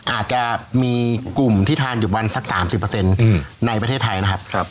อาจจะมีกลุ่มที่ทานอยู่บันสักสามสิบเปอร์เซ็นต์อืมในประเทศไทยนะครับครับ